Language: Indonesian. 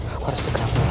aku harus segera pulang ya